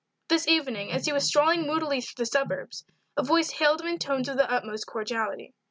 This evening, as he was strolling moodily through the suburbs, a voice hailed him in tones of the utmost cordiality.